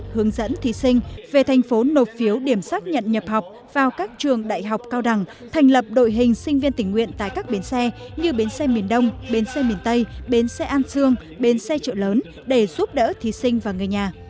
hướng dẫn thí sinh về thành phố nộp phiếu điểm xác nhận nhập học vào các trường đại học cao đẳng thành lập đội hình sinh viên tình nguyện tại các bến xe như bến xe miền đông bến xe miền tây bến xe an sương bến xe trợ lớn để giúp đỡ thí sinh và người nhà